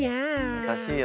優しいよね。